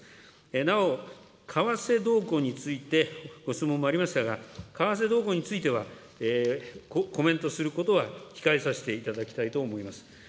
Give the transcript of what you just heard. なお、為替動向についてご質問もありましたが、為替動向については、コメントすることは控えさせていただきたいと思います。